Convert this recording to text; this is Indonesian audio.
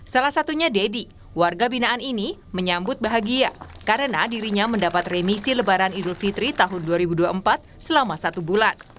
salah satunya deddy warga binaan ini menyambut bahagia karena dirinya mendapat remisi lebaran idul fitri tahun dua ribu dua puluh empat selama satu bulan